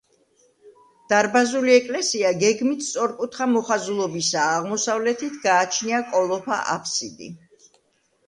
დარბაზული ეკლესია გეგმით სწორკუთხა მოხაზულობისაა, აღმოსავლეთით გააჩნია კოლოფა აბსიდი.